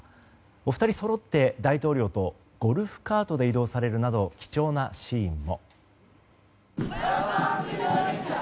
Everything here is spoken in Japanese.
お二人そろって大統領とゴルフカートで移動されるなど貴重なシーンも。